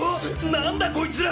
なんだこいつら！